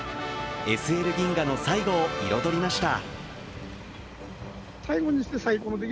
ＳＬ銀河の最後を彩りました。